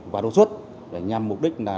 và đột xuất nhằm mục đích là